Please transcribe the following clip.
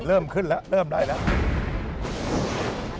เริ่มขึ้นแล้วเริ่มใดแล้ว